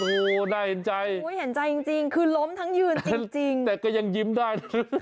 โอ้โหน่าเห็นใจเห็นใจจริงคือล้มทั้งยืนจริงแต่ก็ยังยิ้มได้นะ